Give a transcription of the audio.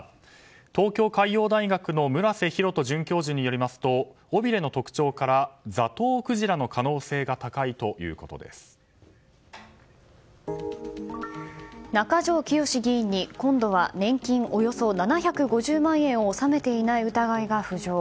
東京海洋大学のムラセ・ヒロト准教授によりますと尾びれの特徴からザトウクジラの中条きよし議員に今度は年金およそ７５０万円を納めていない疑惑が浮上。